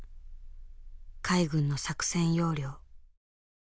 海軍の作戦要領。